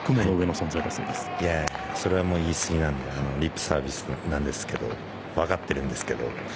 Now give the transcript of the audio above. それは言い過ぎなのでリップサービスだって分かってるんですけど。